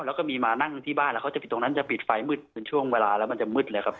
แล้วก็มีมานั่งที่บ้านแล้วเขาจะปิดตรงนั้นจะปิดไฟมืดเป็นช่วงเวลาแล้วมันจะมืดเลยครับ